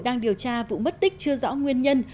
đang điều tra vụ mất tích chưa rõ nguyên nhân